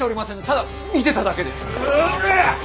ただ見てただけで。